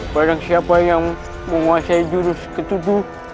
barang siapa yang menguasai jurus ketuduh